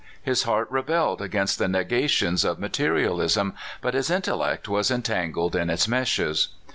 His heart rebelled against the negations of materialism, but his intellect was en tangled in its meshes.